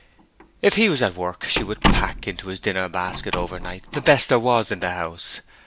If he was at work she would pack into his dinner basket overnight the best there was in the house.